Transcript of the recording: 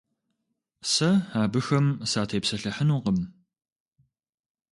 Сэ абыхэм сатепсэлъыхьынукъым.